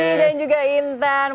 oke budi dan juga intan